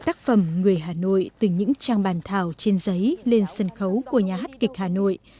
tác phẩm người hà nội từ những trang bàn thảo trên giấy lên sân khấu của nhà hát kịch hà nội